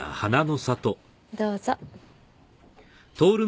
どうぞ。